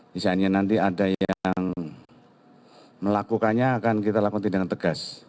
misalnya nanti ada yang melakukannya akan kita lakukan tindakan tegas